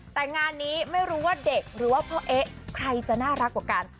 แต่งานนี้ไม่รู้ว่าเด็กหรือว่าพ่อเอ๊ะใครจะน่ารักกว่ากัน